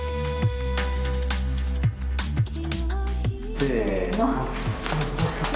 せの。